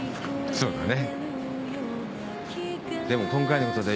そうだね。